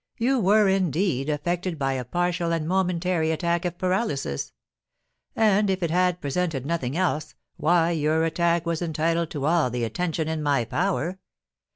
You were, indeed, affected by a partial and momentary attack of paralysis; and, if it had presented nothing else, why, your attack was entitled to all the attention in my power.